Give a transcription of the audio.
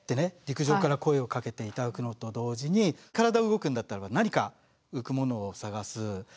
陸上から声をかけていただくのと同時に体動くんだったらば何か浮く物を探す。